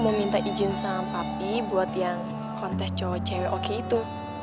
mau minta izin sama papi buat yang kontes cowok cewek oke itu